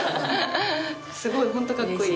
すごいホントカッコいい。